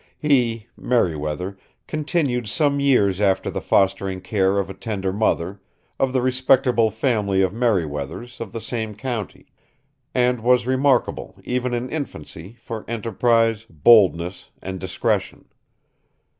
"He (Meriwether) continued some years under the fostering care of a tender mother, of the respectable family of Meriwethers, of the same county; and was remarkable, even in infancy, for enterprise, boldness, and discretion.